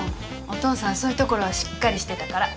お父さんそういうところはしっかりしてたから